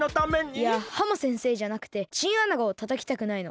いやハモ先生じゃなくてチンアナゴをたたきたくないの。